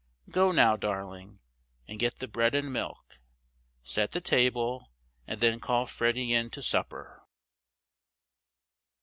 Go now, darling, and get the bread and milk; set the table, and then call Freddy in to supper."